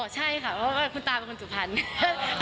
อ๋อใช่ค่ะเพราะว่าคุณตาเป็นคนสุภัณฑ์